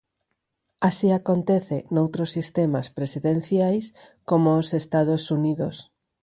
Así acontece noutros sistemas presidenciais como os Estados Unidos.